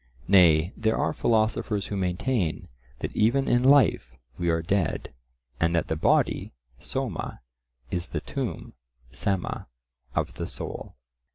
Nay, there are philosophers who maintain that even in life we are dead, and that the body (soma) is the tomb (sema) of the soul.